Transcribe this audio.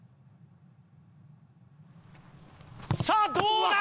さあどうだ？